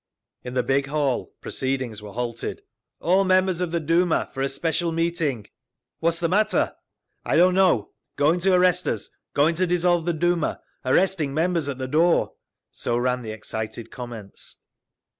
In the big hall proceedings were halted. "All members of the Duma for a special meeting!" "What's the matter?" "I don't know—going to arrest us—going to dissolve the Duma—arresting members at the door—" so ran the excited comments.